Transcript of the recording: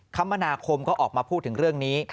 คมนาคมก็ออกมาพูดถึงเรื่องนี้